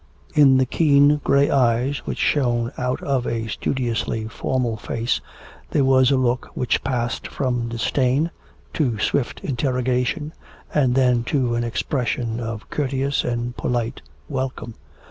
In the keen grey eyes, which shone out of a studiously formal face, there was a look which passed from disdain to swift interrogation, and then to an expression of courteous and polite welcome.